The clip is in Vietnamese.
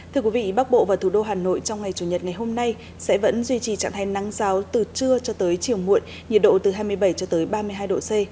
thưa quý vị bắc bộ và thủ đô hà nội trong ngày chủ nhật ngày hôm nay sẽ vẫn duy trì trạng thái nắng giáo từ trưa cho tới chiều muộn nhiệt độ từ hai mươi bảy cho tới ba mươi hai độ c